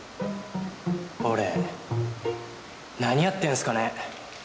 俺何やってんすかね？